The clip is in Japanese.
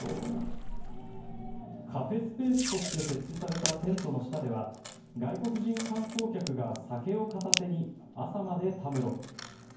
カフェスペースとして設置されたテントの下では外国人観光客が酒を片手に朝までたむろ。